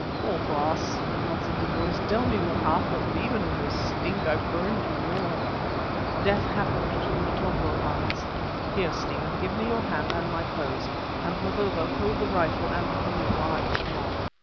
"Oh! Baas," answered the voice, "tell me what happened. Even in this stink I burn to know." "Death happened to the Motombo, Hans. Here, Stephen, give me your hand and my clothes, and, Mavovo, hold the rifle and the canoe while I put them on."